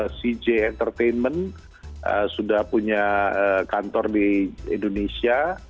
cj group itu cj entertainment sudah punya kantor di indonesia